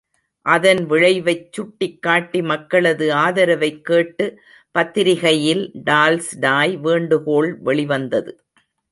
அதன் விளைவைச் சுட்டிக்காட்டி மக்களது ஆதரவைக் கேட்டு பத்திரிகையில் டால்ஸ்டாய் வேண்டுகோள் வெளிவந்தது.